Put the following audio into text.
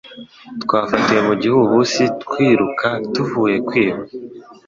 Twafatiwe mu gihuhusi twiruka tuvuye kwiba